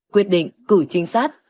quyết định cử trinh sát